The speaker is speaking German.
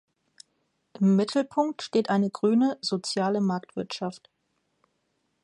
Im Mittelpunkt steht eine grüne, soziale Marktwirtschaft.